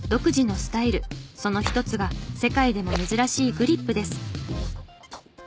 その一つが世界でも珍しいグリップです。